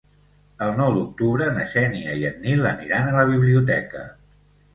El nou d'octubre na Xènia i en Nil aniran a la biblioteca.